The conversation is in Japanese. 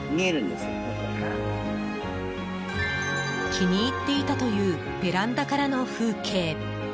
気に入っていたというベランダからの風景。